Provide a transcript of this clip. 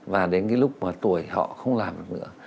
và đến cái lúc mà tuổi họ không làm được nữa